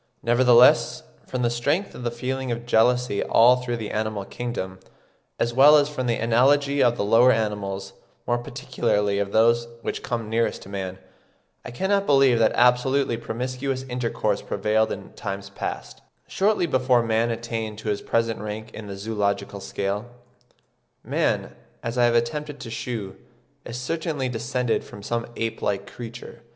Nevertheless, from the strength of the feeling of jealousy all through the animal kingdom, as well as from the analogy of the lower animals, more particularly of those which come nearest to man, I cannot believe that absolutely promiscuous intercourse prevailed in times past, shortly before man attained to his present rank in the zoological scale. Man, as I have attempted to shew, is certainly descended from some ape like creature.